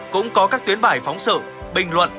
cũng có các tuyến bài phóng sự bình luận